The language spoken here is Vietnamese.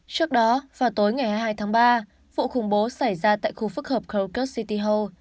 trước đó vào tối ngày hai mươi hai tháng ba vụ khủng bố xảy ra tại khu phức hợp krochard city hall